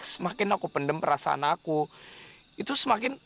semakin aku pendem perasaan aku itu semakin